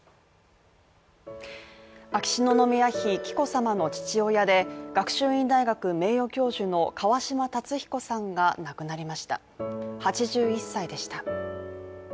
秋篠宮妃紀子さまの父親で学習院大学名誉教授の川嶋辰彦さんが亡くなりました８１歳でした。